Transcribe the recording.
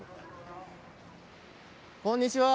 こんにちは。